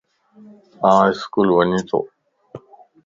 آن اسڪول وڃين تو